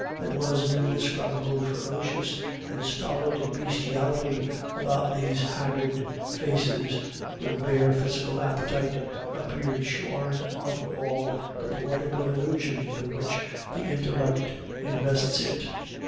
There was an indescribable ferocious and stolid bestiality about these haggard faces, where bare physical appetite appeared shorn of all the poetical illusion with which the intellect invests it.